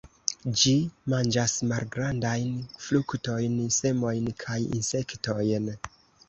Ĝi manĝas malgrandajn fruktojn, semojn kaj insektojn.